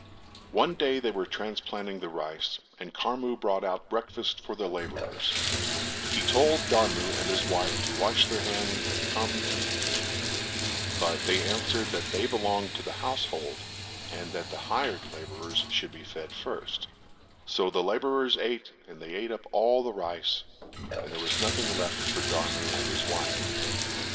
One day they were transplanting the rice and Karmu brought out breakfast for the labourers; he told Dharmu and his wife to wash their hands and come and eat; but they answered that they belonged to the household and that the hired labourers should be fed first, so the labourers ate and they ate up all the rice and there was nothing left for Dharmu and his wife.